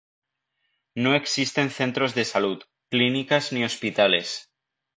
No existen Centros de Salud, clínicas, ni hospitales.